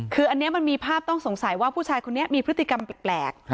คืออันนี้มันมีภาพต้องสงสัยว่าผู้ชายคนนี้มีพฤติกรรมแปลก